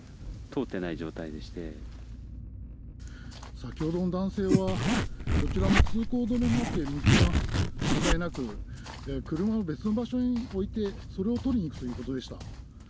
先ほどの男性はこちらの通行止めになっている道が使えなく、車を別の場所に置いて取りに行くということでした。